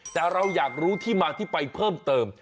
แต่เราอยากรู้ที่มาที่ไปเพิ่มเติม